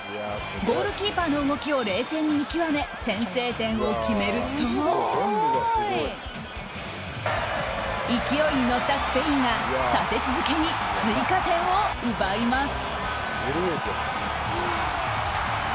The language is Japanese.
ゴールキーパーの動きを冷静に見極め先制点を決めると勢いに乗ったスペインが立て続けに追加点を奪います。